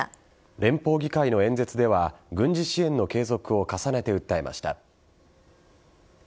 連邦議会の演説では軍事支援の継続を重ねて訴えました。